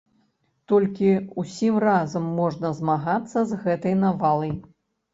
Толькі ўсім разам можна змагацца з гэтай навалай.